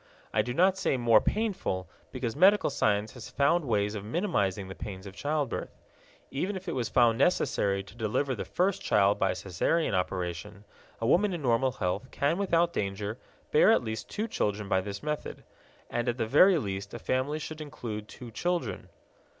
I do not say more painful, because medical science has found ways of minimizing the pains of childbirth. Even if it was found necessary to deliver the first child by Caesarean operation, a woman in normal health can without danger bear at least two children by this method. And at the very least a family should include two children.